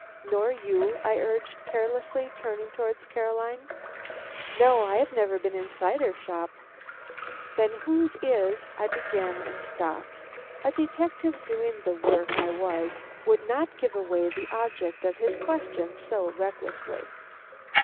"Nor you?" I urged, carelessly, turning towards Caroline. "No; I have never been inside her shop." "Then whose is " I began and stopped. A detective doing the work I was, would not give away the object of his questions so recklessly.